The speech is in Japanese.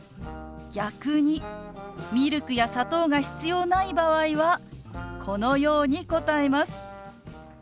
逆にミルクや砂糖が必要ない場合はこのように答えます。